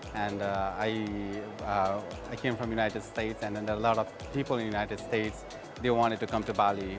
saya datang dari amerika serikat dan banyak orang di amerika serikat ingin datang ke bali